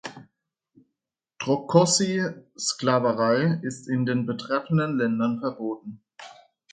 Trokosi-Sklaverei ist in den betreffenden Ländern verboten.